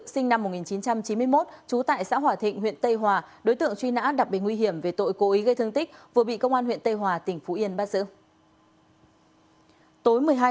xin chào và hẹn gặp lại